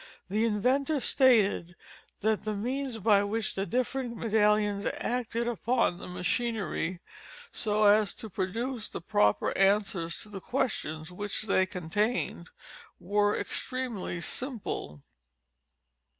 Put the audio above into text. The inventor stated that the means by which the different medallions acted upon the machinery, so as to produce the proper answers to the questions which they contained, were extremely simple."